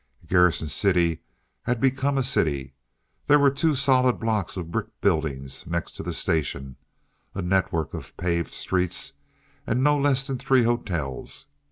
Garrison City had become a city. There were two solid blocks of brick buildings next to the station, a network of paved streets, and no less than three hotels.